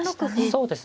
そうですね。